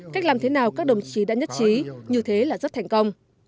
cách làm thế nào các đồng chí đã nhất trí như thế là rất thành công